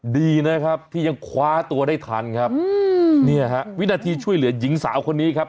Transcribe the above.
ดีนะครับที่ยังคว้าตัวได้ทันครับเนี่ยฮะวินาทีช่วยเหลือหญิงสาวคนนี้ครับ